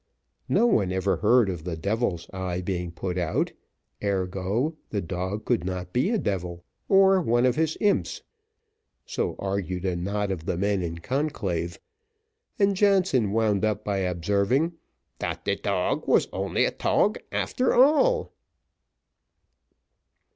No one ever heard of the devil's eye being put out ergo, the dog could not be a devil, or one of his imps: so argued a knot of the men in conclave, and Jansen wound up by observing, "Dat de tog was only a tog after all."